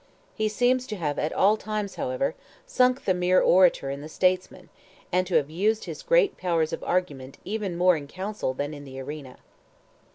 He seems to have at all times, however, sunk the mere orator in the statesman, and to have used his great powers of argument even more in Council than in the arena.